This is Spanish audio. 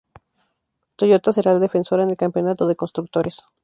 Toyota será la defensora en el campeonato de constructores.